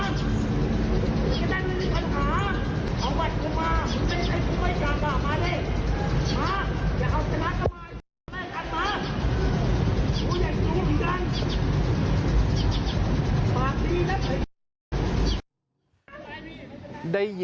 เนี่ย